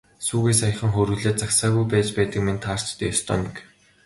Сүүгээ саяхан хөөрүүлээд загсаагаагүй байж байдаг маань таарч дээ, ёстой нэг.